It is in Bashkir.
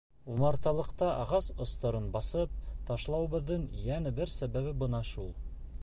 Умарталыҡта ағас остарын бысып ташлауыбыҙҙың йәнә бер сәбәбе бына шул.